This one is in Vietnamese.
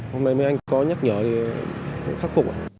hôm nay mấy anh có nhắc nhở thì khắc phục